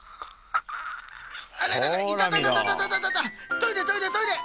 トイレトイレトイレ！